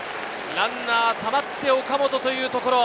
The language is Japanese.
ランナーたまって岡本というところ。